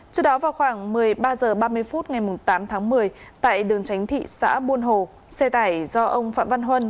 trước đó vào khoảng một mươi ba h ba mươi phút ngày tám tháng một mươi tại đường tránh thị xã buôn hồ xe tải do ông phạm văn huân